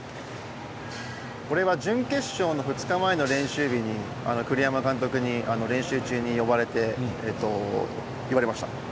これは準決勝の２日前の練習日に、栗山監督に練習中に呼ばれて、言われました。